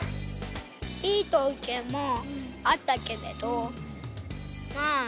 いい投球もあったけれどまあ